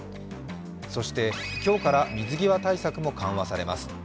そして今日から水際対策も緩和されます。